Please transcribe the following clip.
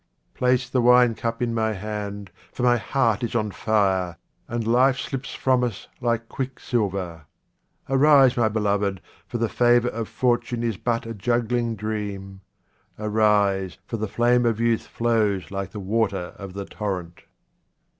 Place the wine cup in my hand, for my heart is on fire, and life slips from us like quick silver. Arise, my beloved, for the favour of fortune is but a juggling dream — arise, for the flame of youth flows like the water of the torrent.